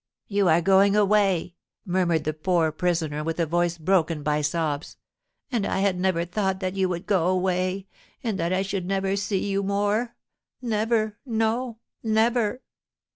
"You are going away!" murmured the poor prisoner, with a voice broken by sobs. "And I had never thought that you would go away, and that I should never see you more, never, no, never!"